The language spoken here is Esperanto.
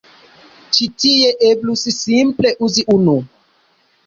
Ĉi tie eblus simple uzi unu.